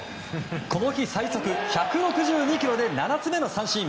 この日、最速１６２キロで７つ目の三振。